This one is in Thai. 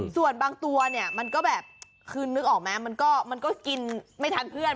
ส่วนบางตัวเนี่ยมันก็แบบคือนึกออกไหมมันก็กินไม่ทันเพื่อน